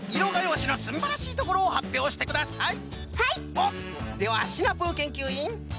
おっではシナプーけんきゅういん。